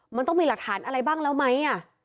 มันต้องมีหลักฐานอะไรบ้างแล้วไหม